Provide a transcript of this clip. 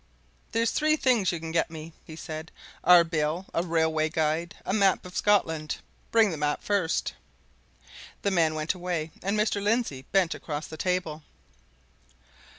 "There's three things you can get me," he said. "Our bill a railway guide a map of Scotland. Bring the map first." The man went away, and Mr. Lindsey bent across the table.